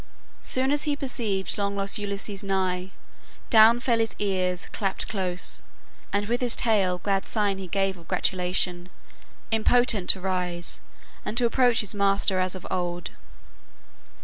"... Soon as he perceived Long lost Ulysses nigh, down fell his ears Clapped close, and with his tail glad sign he gave Of gratulation, impotent to rise, And to approach his master as of old.